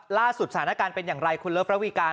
ล่าสุดสถานการณ์เป็นอย่างไรคุณเลิฟระวีการ